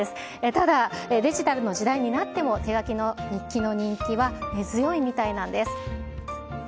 ただ、デジタルの時代になっても、手書きの日記の人気は根強いみたいなんです。